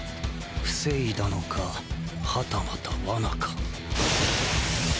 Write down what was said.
防いだのかはたまた罠か。